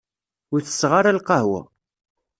Ur tesseɣ ara lqahwa.